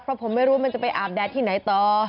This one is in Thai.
เพราะผมไม่รู้มันจะไปอาบแดดที่ไหนต่อ